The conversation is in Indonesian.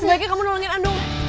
sebaiknya kamu nolongin andung